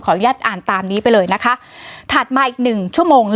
อนุญาตอ่านตามนี้ไปเลยนะคะถัดมาอีกหนึ่งชั่วโมง